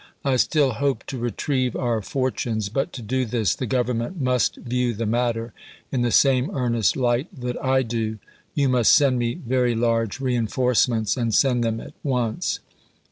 I still hope to retrieve our fortunes, but to do this the Government must view the matter in the same earnest light that I do. You must send me very large reenforcements, and send them at once.